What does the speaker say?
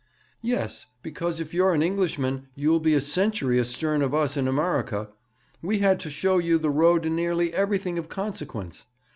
'Yes; because if you're an Englishman you'll be a century astern of us in Amurrica. We had to show you the road in nearly everything of consequence.